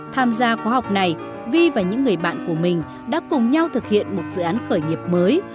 tham gia khóa học này vi và những người bạn của mình đã cùng nhau thực hiện một dự án khởi nghiệp mới